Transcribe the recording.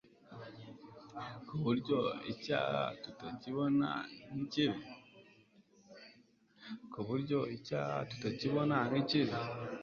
ku buryo icyaha tutakibona nk’ikibi.